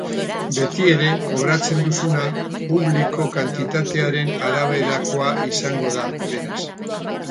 Betiere, kobratzen duzuna publiko kantitatearen araberakoa izango da, beraz.